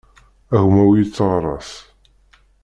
A gma ur yetteɣras.